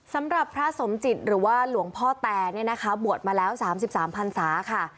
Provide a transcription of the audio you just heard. สำหรับพระสมจิตหรือว่าหลวงพ่อแตเนี่ยนะคะบวชมาแล้ว๓๓พันศาค่ะ